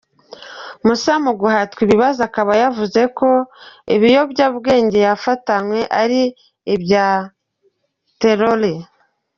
Musa mu guhatwa ibibazo akaba yaravuze ko ibiyobyabwenge yafatanwe ari ibya Traore.